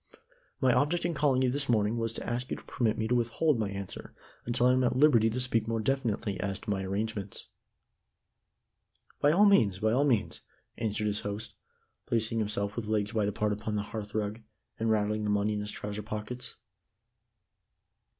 My object in calling upon you this morning was to ask you to permit me to withhold my answer until I am at liberty to speak more definitely as to my arrangements." "By all means, by all means," answered his host, placing himself with legs wide apart upon the hearthrug, and rattling the money in his trouser pockets.